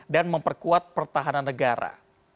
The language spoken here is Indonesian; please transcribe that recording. dan memperkuat pertahanan negara